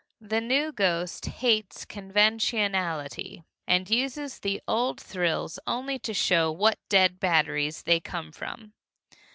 The new ghost hates conventionality and uses the old thrills only to show what dead batteries they come from.